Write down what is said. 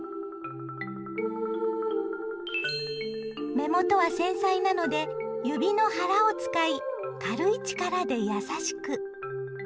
目元は繊細なので指の腹を使い軽い力で優しく。